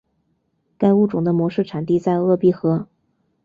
该物种的模式产地在鄂毕河。